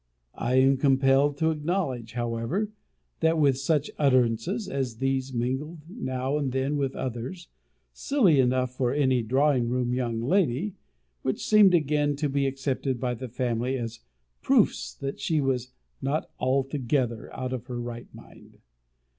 I am compelled to acknowledge, however, that with such utterances as these mingled now and then others, silly enough for any drawing room young lady; which seemed again to be accepted by the family as proofs that she was not altogether out of her right mind.